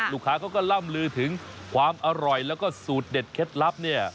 ลูกค้าเขาก็ล่ำลือถึงความอร่อยแล้วก็สูตรเด็ดเคล็ดลับเนี่ย